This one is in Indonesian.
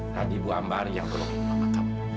tadi ibu ambar yang berlengkarah